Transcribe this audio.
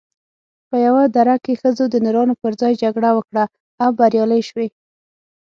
په یوه دره کې ښځو د نرانو پر ځای جګړه وکړه او بریالۍ شوې